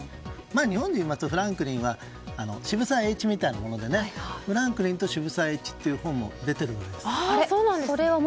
日本で言いますとフランクリンは渋沢栄一のようなもので「フランクリンと渋沢栄一」という本も出ているぐらいです。